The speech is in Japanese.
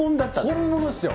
本物っすよ。